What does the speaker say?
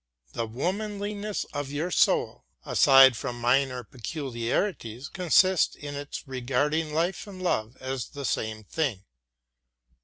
The womanliness of your soul, aside from minor peculiarities, consists in its regarding life and love as the same thing.